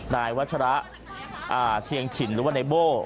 นายวัชระเชียงฉินหรือว่านายโบ้